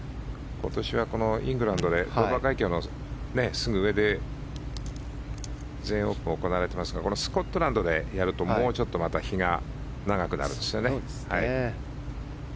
今年はイングランドでドーバー海峡のすぐ上で全英オープンが行われていますがスコットランドでやるともうちょっと日が長くなるんですよね。